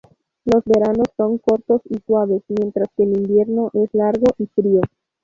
Los veranos son cortos y suaves, mientras que el invierno es largo y frío.